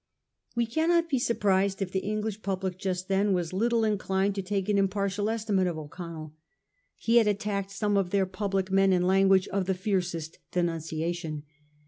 We cannot be surprised if the English public just then was little inclined to take an impartial estimate of O'Connell. He had attacked some of their public men in language of the fiercest denunciation.